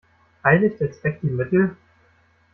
Heiligt der Zweck die Mittel?